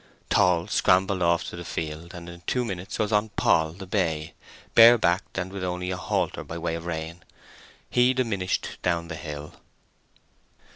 Tall scrambled off to the field, and in two minutes was on Poll, the bay, bare backed, and with only a halter by way of rein. He diminished down the hill.